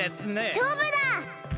しょうぶだ！